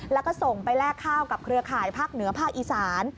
แล้วก็ส่งไปแลกข้าวกับเครือข่ายภาคเหนือภาคอีสาน